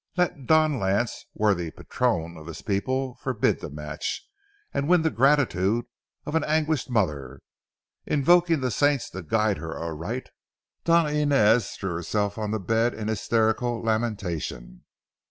Let Don Lance, worthy patron of his people, forbid the match, and win the gratitude of an anguished mother. Invoking the saints to guide her aright, Doña Inez threw herself on the bed in hysterical lamentation.